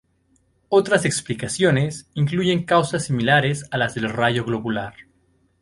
Otras explicaciones incluyen causas similares a las del rayo globular.